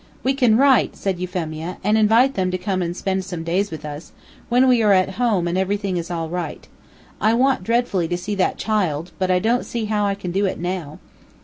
"We can write," said Euphemia, "and invite them to come and spend some days with us, when we are at home and everything is all right. I want dreadfully to see that child, but I don't see how I can do it now."